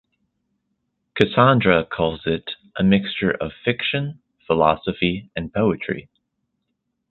Cassandra calls it "a mixture of fiction, philosophy and poetry".